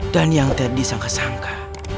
dan yang terdisangka sangka